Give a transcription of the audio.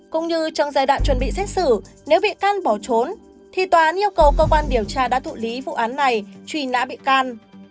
cũng như trong giai đoạn chuẩn bị xét xử nếu bị can bỏ trốn thì tòa án yêu cầu cơ quan điều tra đã thụ lý vụ án này truy nã bị can